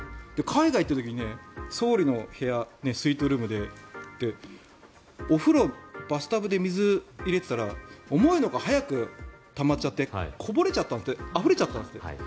海外に行った時総理の部屋、スイートルームでお風呂、バスタブで水を入れていたら思いのほか早くたまっちゃってこぼれちゃったあふれちゃったんですって。